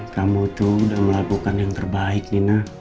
kamu tuh udah melakukan yang terbaik nina